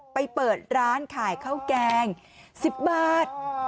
เปิดร้านขายข้าวแกง๑๐บาท